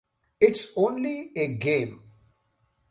It's only a game!